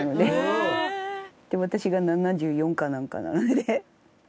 で私が７４かなんかなので。